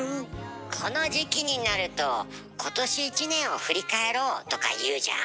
この時期になると「今年１年を振り返ろう」とか言うじゃん？